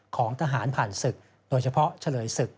ของทหารผ่านศึกโดยเฉพาะเฉลยศึก